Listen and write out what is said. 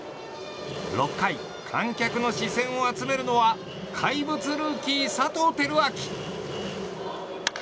６回、観客の視線を集めるのは怪物ルーキー、佐藤輝明。